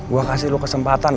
gue kasih lo kesempatan